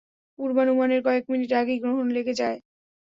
পূর্বানুমানের কয়েক মিনিট আগেই গ্রহণ লেগে যায়।